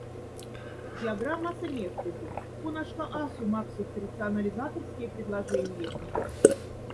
Диаграммаса няфтезе, конашка асу максыхть рационализаторскяй предложениятне.